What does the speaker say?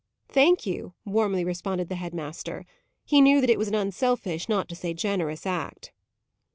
"Thank you," warmly responded the head master. He knew that it was an unselfish, not to say generous, act.